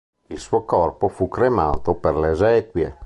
Il suo corpo fu cremato per le esequie.